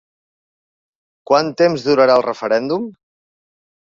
Quant temps durarà el referèndum?